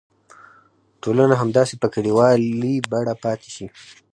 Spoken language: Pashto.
ټولنه همداسې په کلیوالي بڼه پاتې شي.